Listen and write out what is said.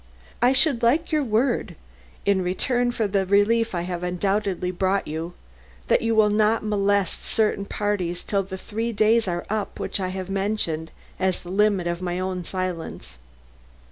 "I should like your word, in return for the relief I have undoubtedly brought you, that you will not molest certain parties till the three days are up which I have mentioned as the limit of my own silence."